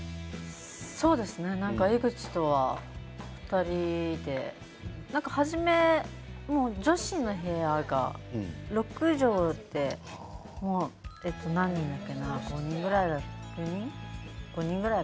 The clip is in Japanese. そうですね江口とは２人でなんか初め、女子の部屋が６畳で何人だったかな５人ぐらい？